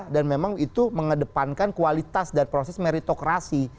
dan memang itu mengedepankan kualitas dan proses meritokrasi